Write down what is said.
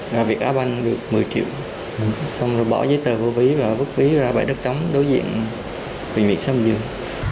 là việc áp anh được một mươi triệu xong rồi bỏ giấy tờ vô ví và vứt ví ra bãi đất chóng đối diện bệnh viện sát lâm dường